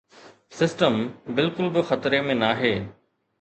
’System‘ بلڪل به خطري ۾ ناهي.